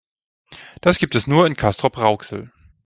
Das gibt es nur in Castrop-Rauxel